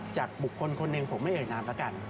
จากบุคคลคนหนึ่งผมไม่เอ่ยนามแล้วกัน